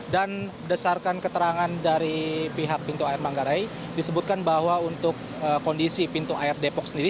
dan berdasarkan keterangan dari pihak pintu air manggarai disebutkan bahwa untuk kondisi pintu air depok sendiri